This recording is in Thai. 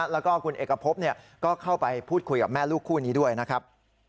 แล้วก็คุณเอกพบก็เข้าไปพูดคุยกับแม่ลูกคู่นี้ด้วยนะครับ